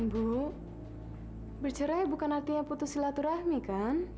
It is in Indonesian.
bu bercerai bukan artinya putus silaturahmi kan